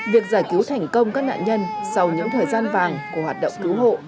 việc giải cứu thành công các nạn nhân sau những thời gian vàng của hoạt động cứu hộ